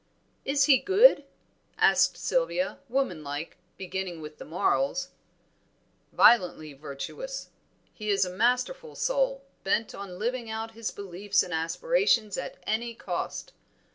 "Is he good?" asked Sylvia, womanlike, beginning with the morals. "Violently virtuous. He is a masterful soul, bent on living out his beliefs and aspirations at any cost.